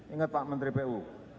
ingat pak menteri pu